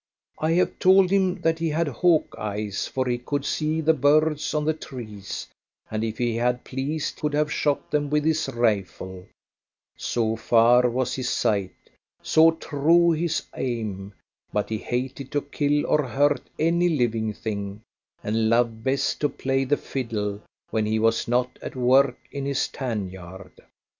I have told him that he had hawk's eyes, for he could see the birds on the trees, and if he had pleased, could have shot them with his rifle, so far was his sight, so true his aim; but he hated to kill or hurt any living thing, and loved best to play the fiddle when he was not at work in his tan yard.